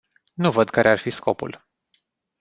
Nu văd care ar fi scopul.